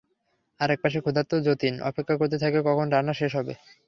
আরেক পাশে ক্ষুধার্ত যতীন অপেক্ষা করতে থাকে কখন রান্না শেষ হবে।